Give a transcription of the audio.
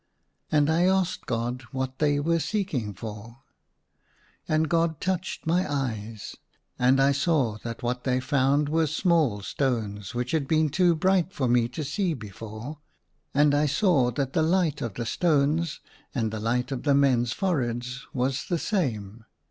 And I asked God what they were seeking for. And God touched my eyes, and I saw that what they found were small stones, which had been too bright for me to see before ; and I saw that the light of the stones and the light on the men's foreheads was the same.